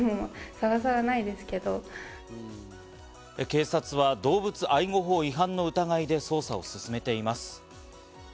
警察は動物愛護法違反の疑いで捜査を進めています。